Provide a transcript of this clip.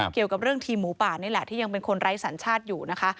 เกี่ยวกับเรื่องทีมหมูป่านี่แหละที่ยังเป็นคนไร้สัญชาติอยู่นะคะ